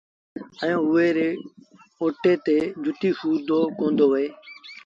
ائيٚݩ اُئي ري اوتي تي جتيٚ سُوڌو ڪوندو وهي